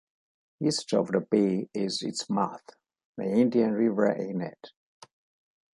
East of the bay is its mouth, the Indian River Inlet.